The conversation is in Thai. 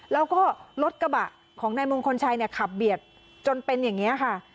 แล้วก็รถกระบะของนายมงคลชัยเนี่ยขับเบียดจนเป็นอย่างนี้ค่ะ